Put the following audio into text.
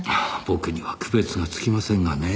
僕には区別がつきませんがねぇ。